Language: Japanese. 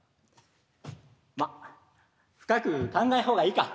まあ深く考えん方がいいか。